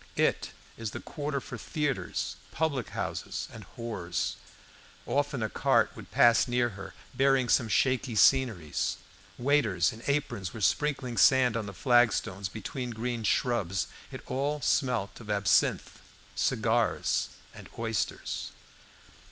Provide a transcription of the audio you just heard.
It is the quarter for theatres, public houses, and whores. Often a cart would pass near her, bearing some shaking scenery. Waiters in aprons were sprinkling sand on the flagstones between green shrubs. It all smelt of absinthe, cigars, and oysters.